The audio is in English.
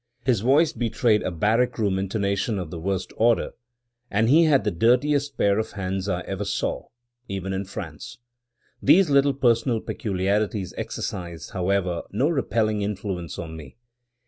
His voice betrayed a barrack room intonation of the worst order, and he had the dirtiest pair of hands I ever saw — even in France. These little personal peculiarities exercised, however, no repelling influence on me.